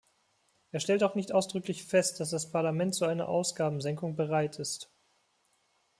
Er stellt auch nicht ausdrücklich fest, dass das Parlament zu einer Ausgabensenkung bereit ist.